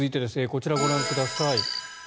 こちらをご覧ください。